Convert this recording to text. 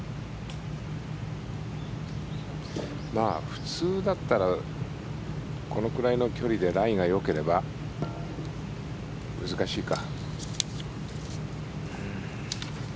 普通だったらこのくらいの距離でライがよければ難しいか。